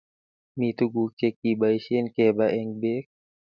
mi tuguk che kibaishen keba eng bek